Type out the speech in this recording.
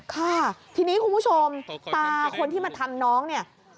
ค่ะทีนี้คุณผู้ชมตาคนที่มาทำน้องเนี่ย